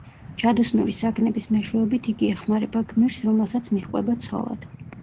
ჯადოსნური საგნების მეშვეობით იგი ეხმარება გმირს, რომელსაც მიჰყვება ცოლად.